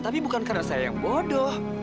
tapi bukan karena saya yang bodoh